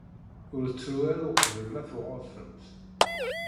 Ur ttru ara uqbel ma tuɣeḍ-tent.